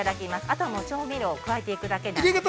あとは調味料を加えていくだけなんで。